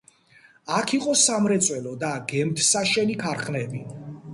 აქ იყო სამრეწველო და გემთსაშენი ქარხნები.